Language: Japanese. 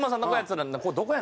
どこや？